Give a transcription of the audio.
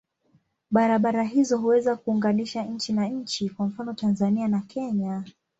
Barabara hizo huweza kuunganisha nchi na nchi, kwa mfano Tanzania na Kenya.